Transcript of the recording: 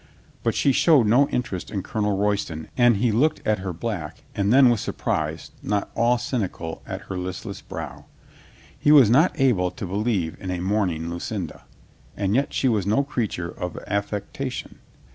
But she showed no interest in Colonel Royston and he looked at her black and then with surprise not all cynical at her listless brow. He was not able to believe in a mourning Lucinda. And yet she was no creature of aff"ectation.